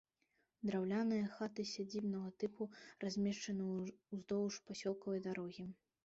Драўляныя хаты сядзібнага тыпу размешчаны ўздоўж прасёлкавай дарогі.